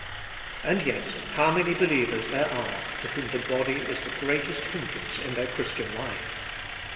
And yet how many believers there are to whom the body is the greatest hindrance in their Christian life.